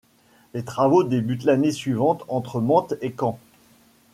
Les travaux débutent l'année suivante entre Mantes et Caen.